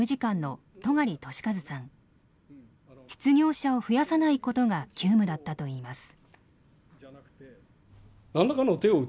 失業者を増やさないことが急務だったといいます。